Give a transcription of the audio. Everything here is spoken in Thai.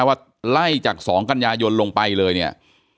ว่าไล่จาก๒กัญญายนลงไปเลย